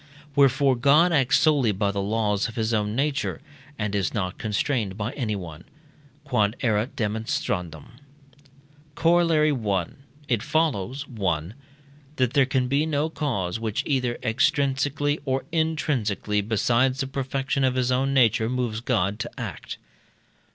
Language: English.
Wherefore God acts solely by the laws of his own nature, and is not constrained by anyone. Q.E.D. Corollary I. It follows: 1. That there can be no cause which, either extrinsically or intrinsically, besides the perfection of his own nature, moves God to act.